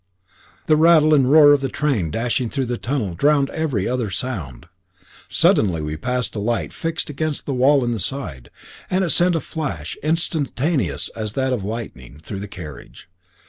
The rattle and roar of the train dashing through the tunnel drowned every other sound. Suddenly we rushed past a light fixed against the wall in the side, and it sent a flash, instantaneous as that of lightning, through the carriage.